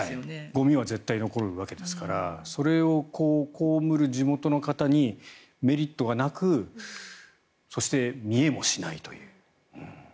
ゴミは絶対残るわけですからそれを被る地元の方にメリットがなくそして、見えもしないという。